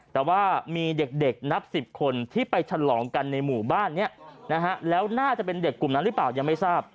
แต่ว่ามีเด็กนับ๑๐คนที่ไปฉลองกันในหมู่บ้านนี้นะฮะแล้วน่าจะเป็นเด็กกลุ่มนั้นหรือเปล่ายังไม่ทราบ